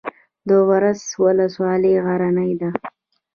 د ورس ولسوالۍ غرنۍ ده